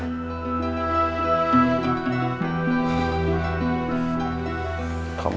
pak mustaqim lagi di rumah